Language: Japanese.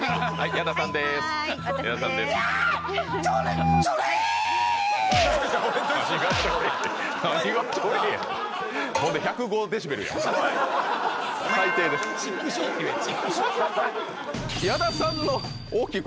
矢田さんの。